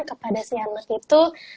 kepada si anak itu